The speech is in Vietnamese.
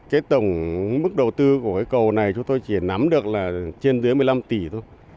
cái tổng mức đầu tư của cái cầu này chúng tôi chỉ nắm được là trên dưới một mươi năm tỷ thôi